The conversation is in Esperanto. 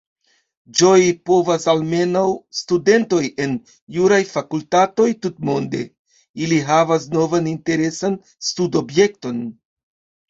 Ĝoji povas almenaŭ studentoj en juraj fakultatoj tutmonde: ili havas novan interesan studobjekton.